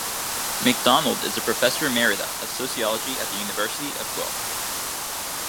McDonald is a professor emerita of sociology at the University of Guelph.